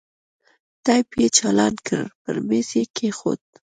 ټېپ يې چالان کړ پر ميز يې کښېښود.